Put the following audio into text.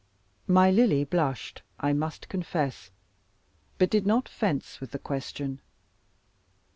My Lily blushed, I must confess, but did not fence with the question.